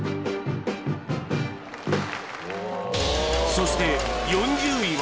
そして４０位は